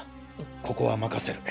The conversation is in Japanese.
ここは任せる。